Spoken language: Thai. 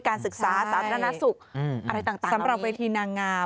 การศึกษาสรรพนักนักศุกร์อะไรต่างเหล่านี้สำหรับเวทีนางาม